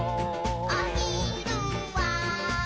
「おひるは」